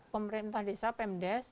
pemerintah desa pemdes